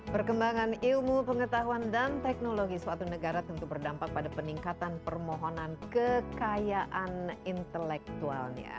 perkembangan ilmu pengetahuan dan teknologi suatu negara tentu berdampak pada peningkatan permohonan kekayaan intelektualnya